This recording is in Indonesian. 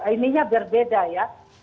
ini ya berbeda ya